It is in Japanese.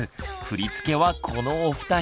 振り付けはこのお二人。